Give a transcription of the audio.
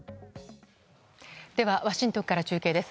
ではワシントンから中継です。